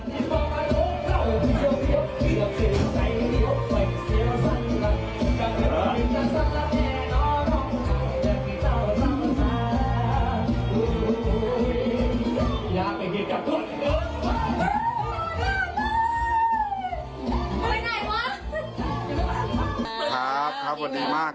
ไหนนะฮ่าค่าครับสวัสดีมาก